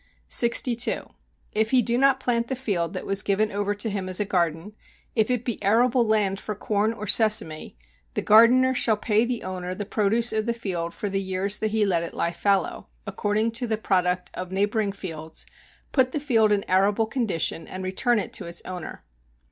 62. If he do not plant the field that was given over to him as a garden, if it be arable land [for corn or sesame] the gardener shall pay the owner the produce of the field for the years that he let it lie fallow, according to the product of neighboring fields, put the field in arable condition and return it to its owner.